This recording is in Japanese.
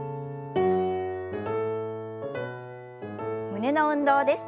胸の運動です。